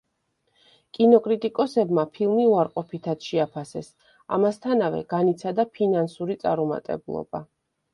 კინოკრიტიკოსებმა ფილმი უარყოფითად შეაფასეს, ამასთანავე განიცადა ფინანსური წარუმატებლობა.